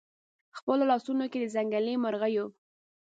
خپلو لاسونو کې د ځنګلي مرغیو